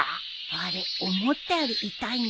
あれ思ったより痛いんだよね。